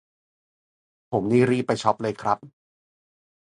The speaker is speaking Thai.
ผมนี่รีบไปช็อปเลยครับ